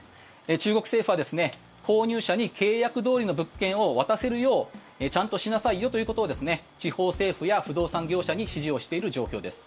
中国政府は購入者に契約どおりの物件を渡せるようちゃんとしなさいよということで地方政府や不動産業者に指示をしている状況です。